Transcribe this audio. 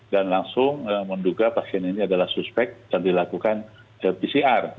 dan langsung menduga pasien ini adalah suspek dan dilakukan pcr